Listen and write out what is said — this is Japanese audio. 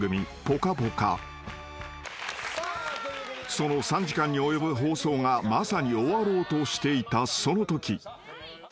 ［その３時間に及ぶ放送がまさに終わろうとしていたそのとき］